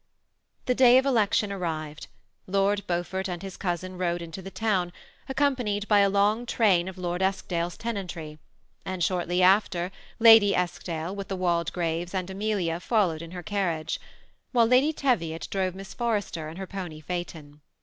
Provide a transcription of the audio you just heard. The day of election arrived. Lord Beaufort and his cousin rode into the town, accompanied bj a long train of Lord £dkdale's tenantry ; and shortly after, Ladj Eskdale, with the Waldegraves and Amelia, followed in her carriage ; while Lady Teviot drove Miss For rester in her pony phaeton.